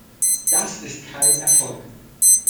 Das ist kein Erfolg.